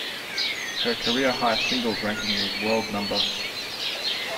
Her career-high singles ranking was World No.